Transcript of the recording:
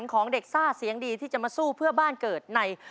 ของเด็กซ่าเสียงดีที่จะมาสู้เพื่อบ้านเกิดใน